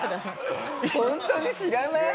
本当に知らない？